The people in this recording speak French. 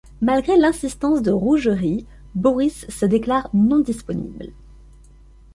Malgré l'insistance de Rougerie, Boris se déclare non disponible.